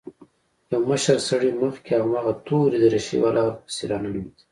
يو مشر سړى مخکې او هماغه تورې دريشۍ والا ورپسې راننوتل.